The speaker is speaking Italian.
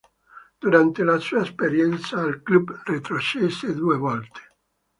Durante la sua esperienza al club retrocesse due volte.